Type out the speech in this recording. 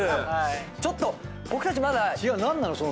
ちょっと僕たちまだ。何なの？